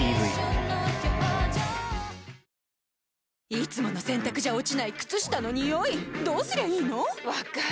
いつもの洗たくじゃ落ちない靴下のニオイどうすりゃいいの⁉分かる。